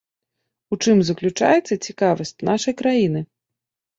У чым заключаецца цікавасць нашай краіны?